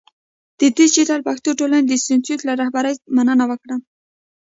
د دیجیټل پښتو ټولنې د انسټیټوت له رهبرۍ مننه وکړه.